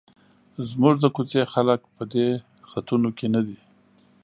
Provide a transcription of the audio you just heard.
زموږ د کوڅې خلک په دې خطونو کې نه دي.